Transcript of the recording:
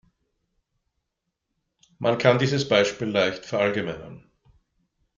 Man kann dieses Beispiel leicht verallgemeinern.